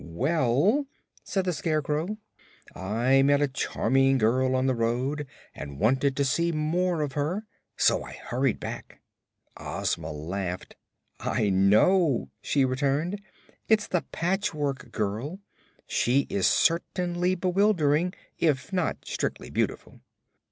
"Well," said the Scarecrow, "I met a charming girl on the road and wanted to see more of her, so I hurried back." Ozma laughed. "I know," she returned; "it's the Patchwork Girl. She is certainly bewildering, if not strictly beautiful."